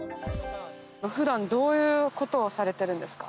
普段どういうことをされてるんですか？